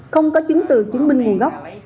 không có chứng từ chứng minh nguồn gốc